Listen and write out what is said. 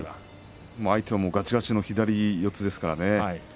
相手はガチガチの左四つですからね。